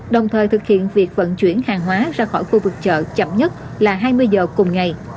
đồng thời thực hiện việc vận chuyển hàng hóa ra khỏi khu vực chợ chậm nhất là hai mươi giờ cùng ngày